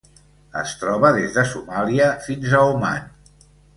Es troba des de Somàlia fins a Oman.